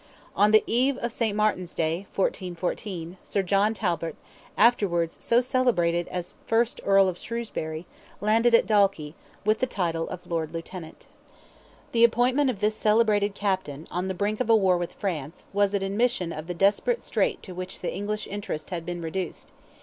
On the eve of St. Martin's Day, 1414, Sir John Talbot, afterwards so celebrated as first Earl of Shrewsbury, landed at Dalkey, with the title of Lord Lieutenant. The appointment of this celebrated Captain, on the brink of a war with France, was an admission of the desperate strait to which the English interest had been reduced.